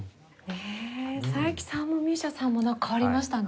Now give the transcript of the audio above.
佐伯さんも美依紗さんも変わりましたね。